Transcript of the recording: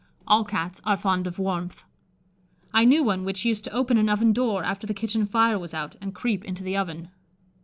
All Cats are fond of warmth. I knew one which used to open an oven door after the kitchen fire was out, and creep into the oven.